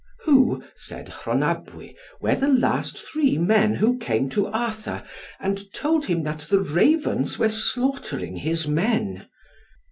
"Who," said Rhonabwy, "were the last three men who came to Arthur, and told him that the Ravens were slaughtering his men?"